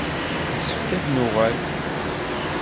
Yessefk ad d-nuɣal.